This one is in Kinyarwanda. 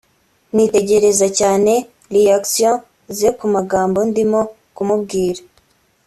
nitegerezaga cyane réactions ze ku magambo ndimo kumubwira